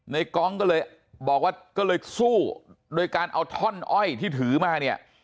กองก็เลยบอกว่าก็เลยสู้โดยการเอาท่อนอ้อยที่ถือมาเนี่ย